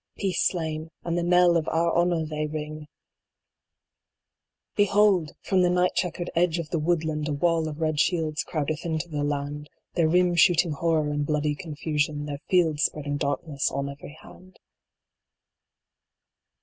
Peace slain and the knell of our Honor they ring ! Behold ! from the night checkered edge of the woodland A wall of red shields crowdeth into the land, Their rims shooting horror and bloody confusion, Their fields spreading darkness on every hand.